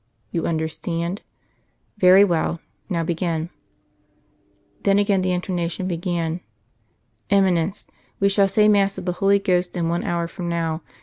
You understand? Very well. Now begin." Then again the intonation began. "Eminence. We shall say mass of the Holy Ghost in one hour from now.